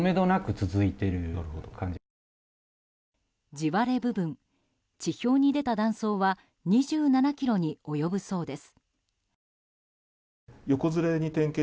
地割れ部分、地表に出た断層は２７ｋｍに及ぶそうです。